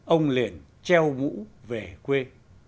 ông liền treo mũ về quê